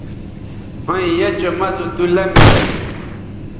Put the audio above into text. ھویں یھ چہء مَزو تُو لمی